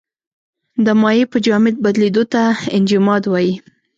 د مایع په جامد بدلیدو ته انجماد وايي.